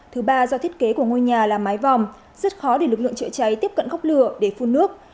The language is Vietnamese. thứ ba do thiết kế của ngôi nhà là mái vòng rất khó để lực lượng chợ cháy tiếp cận góc lửa để phun nước